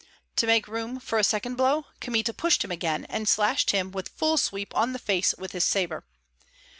To make room for a second blow, Kmita pushed him again, and slashed him with full sweep on the face with his sabre.